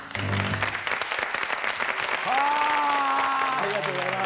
ありがとうございます。